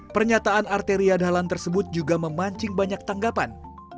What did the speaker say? pernyataan arteria dalan tersebut juga memancing banyak tanggapan